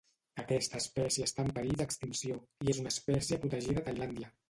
Aquesta espècie està en perill extinció i és una espècie protegida a Tailàndia